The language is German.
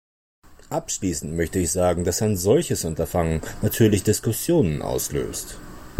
Abschließend möchte ich sagen, dass ein solches Unterfangen natürlich Diskussionen auslöst.